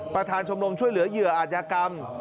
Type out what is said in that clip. ประธานชมรมช่วยเหลือเหยื่ออาจยากรรม